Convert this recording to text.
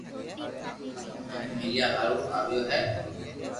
ھين مليا ھارون آويو ھي